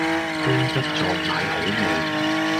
薑汁撞奶好味